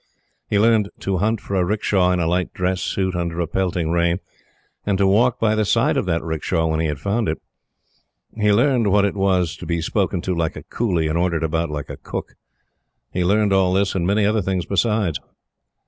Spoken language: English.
He learned to hunt for a 'rickshaw, in a light dress suit under a pelting rain, and to walk by the side of that 'rickshaw when he had found it. He learned what it was to be spoken to like a coolie and ordered about like a cook. He learned all this and many other things besides.